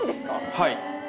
はい。